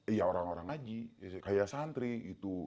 ya orang orang haji kayak santri gitu